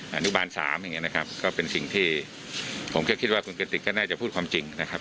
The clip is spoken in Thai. อนุบาลสามอย่างเงี้นะครับก็เป็นสิ่งที่ผมแค่คิดว่าคุณกติกก็น่าจะพูดความจริงนะครับ